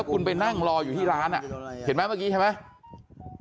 คุณไปนั่งรออยู่ที่ร้านเห็นไหมเมื่อกี้ใช่ไหม